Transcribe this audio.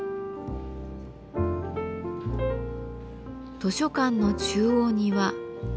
図書館の中央には。